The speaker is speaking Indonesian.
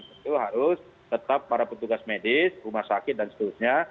itu harus tetap para petugas medis rumah sakit dan seterusnya